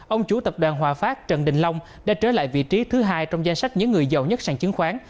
ông chủ tập đoàn hòa phát trần đình long đã trở lại vị trí thứ hai trong danh sách những người giàu nhất sàn chứng khoán